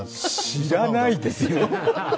知らないですよ。